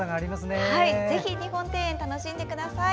ぜひ日本庭園、楽しんでください。